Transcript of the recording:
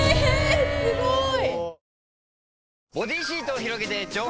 すごい！